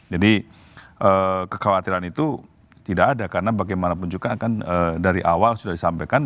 jadi kekhawatiran itu tidak ada karena bagaimanapun juga kan dari awal sudah disampaikan